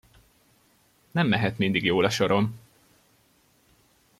Nem mehet mindig jól a sorom!